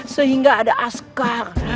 sehingga ada askar